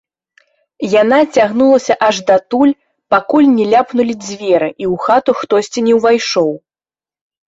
Яна цягнулася аж датуль, пакуль не ляпнулі дзверы і ў хату хтосьці не ўвайшоў.